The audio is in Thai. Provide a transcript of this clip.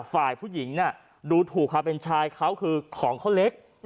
ฝ่ายผู้หญิงน่ะดูถูกค่ะเป็นชายเขาคือของเขาเล็ก